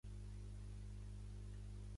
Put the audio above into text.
I en províncies sí que hi entén, el virus?